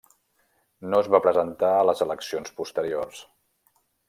No es va presentar a les eleccions posteriors.